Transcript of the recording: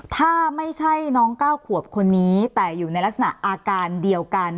ถ้าไม่ใช่น้อง๙ขวบคนนี้แต่อยู่ในลักษณะอาการเดียวกัน